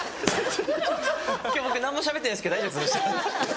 今日僕何もしゃべってないですけど大丈夫です？